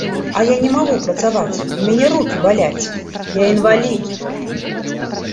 А я не магу працаваць, у мяне рукі баляць, я інвалід!